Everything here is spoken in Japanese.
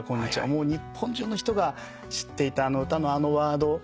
もう日本中の人が知っていたあの歌のあのワード。